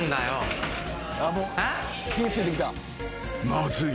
［まずい。